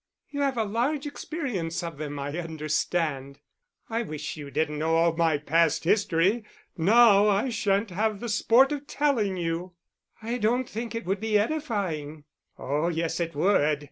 "You have a large experience of them, I understand." "I wish you didn't know all my past history. Now I shan't have the sport of telling you." "I don't think it would be edifying." "Oh yes, it would.